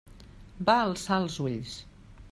Va alçar els ulls.